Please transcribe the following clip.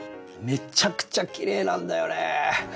めちゃくちゃきれいなんだよね！